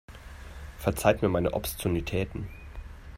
Verzeiht mir meine Obszönitäten.